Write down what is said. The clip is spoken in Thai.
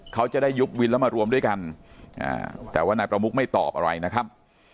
เขาจะได้ยุบวินแล้วมารวมด้วยกันแต่ว่านายประมุกไม่ตอบอะไรนะครับ